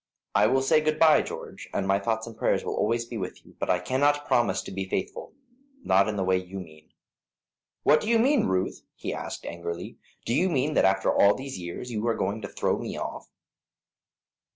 "I will say good bye, George, and my thoughts and prayers will always be with you, but I cannot promise to be faithful not in the way you mean." "What do you mean, Ruth?" he asked, angrily. "Do you mean that after all these years you are going to throw me off?"